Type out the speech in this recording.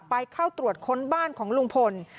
ไปเข้าตรวจค้นบ้านของลุงพล